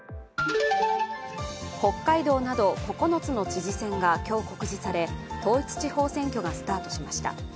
北海道など９つの知事選が今日告示され統一地方選挙がスタートしました。